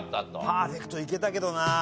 パーフェクトいけたけどな。